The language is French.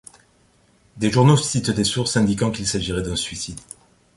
Des journaux citent des sources indiquant qu'il s'agirait d'un suicide.